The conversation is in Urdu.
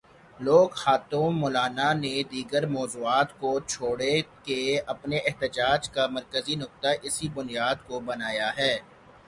لگے ہاتھوں مولانا نے دیگر موضوعات کو چھوڑ کے اپنے احتجاج کا مرکزی نکتہ اسی بنیاد کو بنایا ہے۔